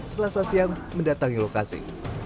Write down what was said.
selasa siang mendatangi lokasi